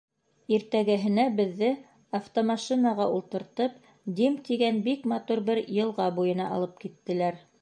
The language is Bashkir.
— Иртәгеһенә беҙҙе автомашинаға ултыртып, Дим тигән бик матур бер йылға буйына алып киттеләр.